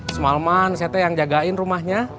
semaleman saya teh yang jagain rumahnya